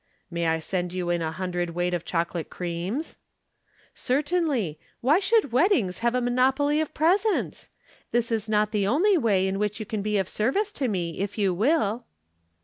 "May I send you in a hundred weight of chocolate creams?" "Certainly. Why should weddings have a monopoly of presents? This is not the only way in which you can be of service to me, if you will."